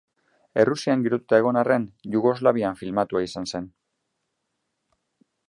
Errusian girotua egon arren Jugoslavian filmatua izan zen.